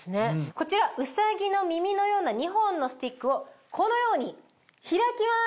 こちらウサギの耳のような２本のスティックをこのように開きます。